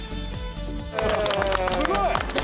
すごい！